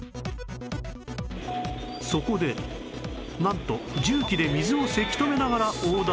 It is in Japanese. そこでなんと重機で水をせき止めながら横断